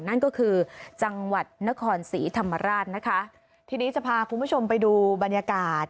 นั่นก็คือจังหวัดนครศรีธรรมราชนะคะทีนี้จะพาคุณผู้ชมไปดูบรรยากาศ